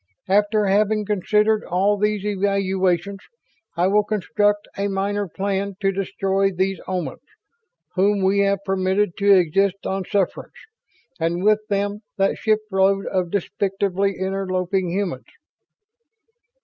After having considered all these evaluations, I will construct a Minor Plan to destroy these Omans, whom we have permitted to exist on sufferance, and with them that shipload of despicably interloping humans."